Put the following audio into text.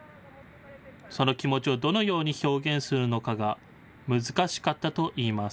その気持ちをどのように表現するのかが難しかったといいます。